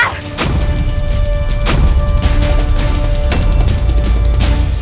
aku akan pergi